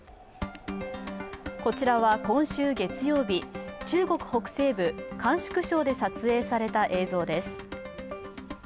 こちらは今週月曜日、中国北西部甘粛省で撮影された映像です。